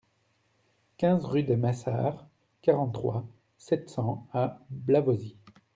quinze rue des Maissard, quarante-trois, sept cents à Blavozy